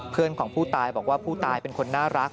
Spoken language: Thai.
เพื่อนของผู้ตายบอกว่าผู้ตายเป็นคนน่ารัก